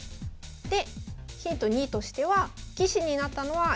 でヒント２としては棋士になったのは横山先生が先です。